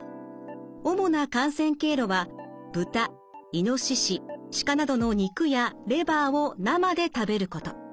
主な感染経路は豚いのしし鹿などの肉やレバーを生で食べること。